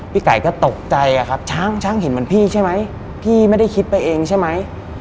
ไก่ก็ตกใจอะครับช้างช้างเห็นเหมือนพี่ใช่ไหมพี่ไม่ได้คิดไปเองใช่ไหม